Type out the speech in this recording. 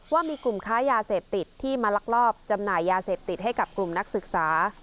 ว่ามีกลุ่มค้ายาเสพติดที่มาลักลอบจำหน่ายยาเสพติดให้กับกลุ่มนักศึกษา